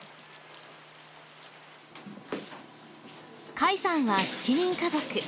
甲斐さんは７人家族。